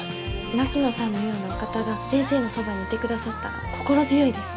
槙野さんのようなお方が先生のそばにいてくださったら心強いです。